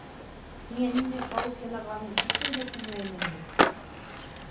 Һиңә ниндәй хәүеф янағанын ишеткең дә килмәйме ни?